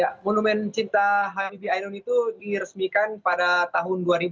ya monumen cinta habibie ainun itu diresmikan pada tahun dua ribu lima belas silam